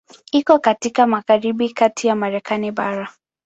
Iko katika magharibi kati ya Marekani bara.